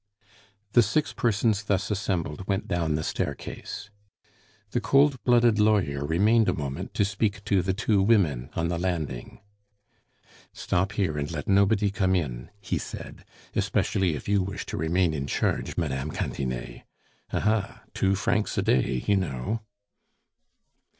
The six persons thus assembled went down the staircase. The cold blooded lawyer remained a moment to speak to the two women on the landing. "Stop here, and let nobody come in," he said, "especially if you wish to remain in charge, Mme. Cantinet. Aha! two francs a day, you know!"